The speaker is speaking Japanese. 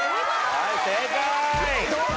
はい正解！